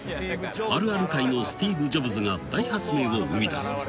あるある界のスティーブ・ジョブズが大発明を生みだす。